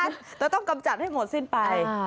เดี๋ยวต้องกำจัดให้หมดสิ้นไป